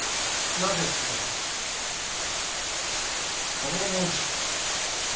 どうでもいいじゃん。